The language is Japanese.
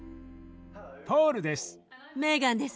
ポールです。